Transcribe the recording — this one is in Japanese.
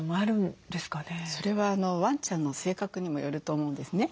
それはワンちゃんの性格にもよると思うんですね。